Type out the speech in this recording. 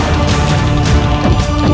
aku harus menolongnya